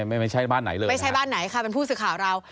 ไม่ใช่บ้านไหนเลยไม่ใช่บ้านไหนค่ะเป็นผู้สื่อข่าวเรา